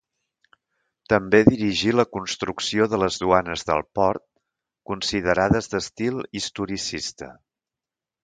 També dirigí la construcció de les duanes del port, considerades d'estil historicista.